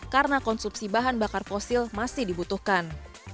karena konsumsi bahan bakar fosil masih dibutuhkan